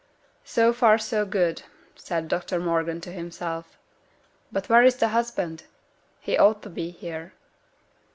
'So far so good!' said Dr Morgan to himself. 'But where is the husband? He ought to be here.'